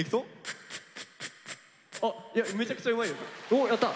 おやった！